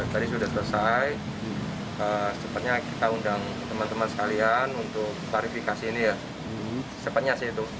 tadi sudah selesai secepatnya kita undang teman teman sekalian untuk klarifikasi ini ya